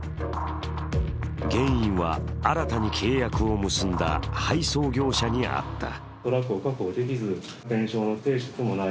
原因は、新たに契約を結んだ配送業者にあった。